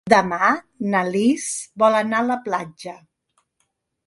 Demà na Lis vol anar a la platja.